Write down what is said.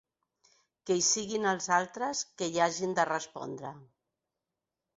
Que siguin els altres que hi hagin de respondre.